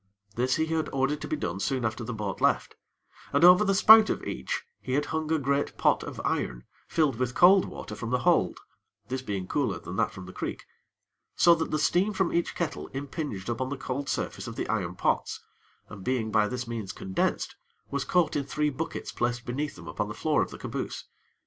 This he had ordered to be done soon after the boat left; and over the spout of each, he had hung a great pot of iron, filled with cold water from the hold this being cooler than that from the creek so that the steam from each kettle impinged upon the cold surface of the iron pots, and being by this means condensed, was caught in three buckets placed beneath them upon the floor of the caboose.